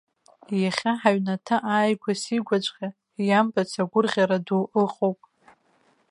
Иахьа ҳаҩнаҭа ааигәа-сигәаҵәҟьа иамбац агәырӷьара ду ыҟоуп.